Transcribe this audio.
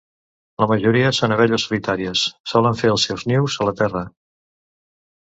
La majoria són abelles solitàries; solen fer els seus nius a la terra.